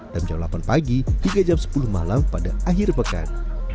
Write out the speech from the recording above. dan jam delapan pagi hingga jam sepuluh malam pada akhir pekan